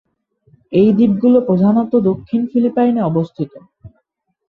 এই দ্বীপগুলো প্রধানত দক্ষিণ ফিলিপাইনে অবস্থিত।